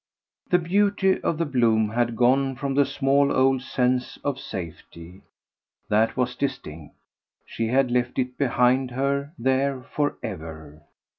The beauty of the bloom had gone from the small old sense of safety that was distinct: she had left it behind her there for ever.